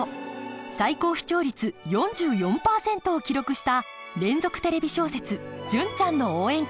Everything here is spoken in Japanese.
最高視聴率４４％を記録した連続テレビ小説「純ちゃんの応援歌」。